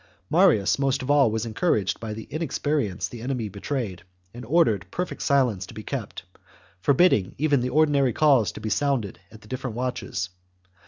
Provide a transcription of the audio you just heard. Marius, most of all, was encouraged ^^S by the inexperience the enemy betrayed, and ordered perfect silence to be kept, forbidding even the ordin ary calls to be sounded at the different watches.